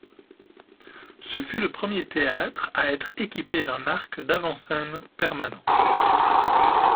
Ce fut le premier théâtre à être équipé d'un arc d'avant-scène permanent.